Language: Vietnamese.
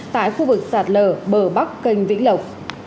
tại khu vực sạt lở bờ bắc cành vĩ lộc